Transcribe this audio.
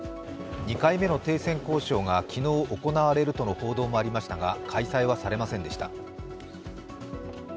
２回目の停戦交渉が昨日行われるとの報道もありましたが開催はされませんでした。